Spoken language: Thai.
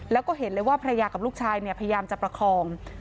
แล้วก็เห็นเลยว่าภรรยากับลูกชายเนี่ยพยายามจะประคอง